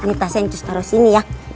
ini tasnya njus taruh sini ya